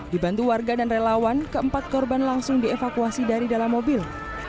dibantu warga dan relawan keempat korban langsung dievakuasi dari dalam mobil